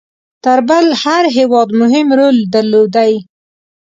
تر بل هر هیواد مهم رول درلودی.